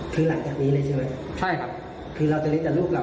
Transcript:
คือหลังจากนี้เลยใช่ไหมใช่ครับคือเราจะลิ้นแต่ลูกเรา